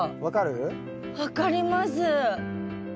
分かります。